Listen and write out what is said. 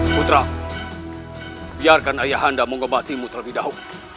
putra biarkan ayahanda mengebati putra widau